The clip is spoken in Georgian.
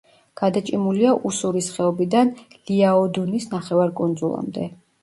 გადაჭიმულია უსურის ხეობიდან ლიაოდუნის ნახევარკუნძულამდე.